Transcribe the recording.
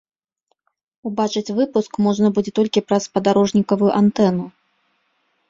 Убачыць выпуск можна будзе толькі праз спадарожнікавую антэну.